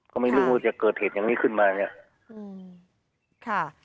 ก็ไม่รู้ว่าจะเกิดเหตุอย่างนี้ขึ้นมาอย่างนี้ค่ะ